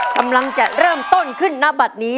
กำลังจะเริ่มต้นขึ้นณบัตรนี้